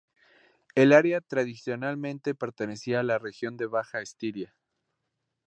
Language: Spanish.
El área tradicionalmente pertenecía a la región de Baja Estiria.